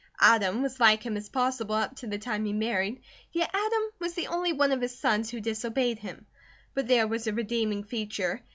Adam was like him as possible up to the time he married, yet Adam was the only one of his sons who disobeyed him; but there was a redeeming feature.